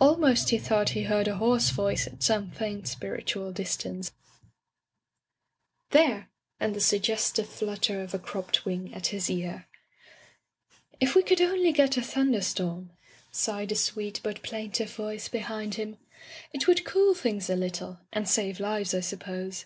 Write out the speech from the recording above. Almost he thought he heard a hoarse voice at some faint, spiritual distance, urging: "There!" and the sugges tive flutter of a cropped wing at his ear. '* If we could only get a thunder storm,*' sighed a sweet but plaintive voice behind [ 354 ] Digitized by LjOOQ IC By the Sawyer Method him, "it would cool things a little — ^and save lives, I suppose.